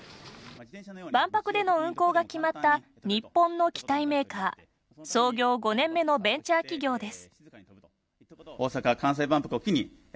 万博での運航が決まった日本の機体メーカー創業５年目のベンチャー企業です。